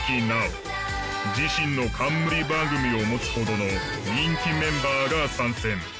自身の冠番組を持つほどの人気メンバーが参戦。